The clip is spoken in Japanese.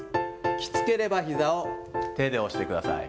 きつければひざを手で押してください。